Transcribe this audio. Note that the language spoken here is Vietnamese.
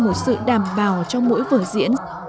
một sự đảm bảo cho mỗi vở diễn